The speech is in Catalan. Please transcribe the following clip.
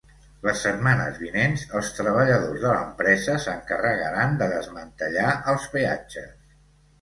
Les setmanes vinents els treballadors de l’empresa s’encarregaran de desmantellar els peatges.